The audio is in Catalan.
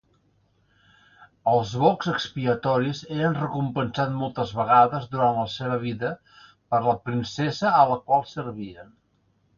Els bocs expiatoris eren recompensats moltes vegades durant la seva vida per la princesa a la quan servien.